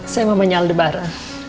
saya mamanya aldebaran